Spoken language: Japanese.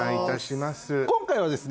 今回はですね